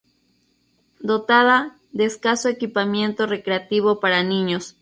Dotada de escaso equipamiento recreativo para niños.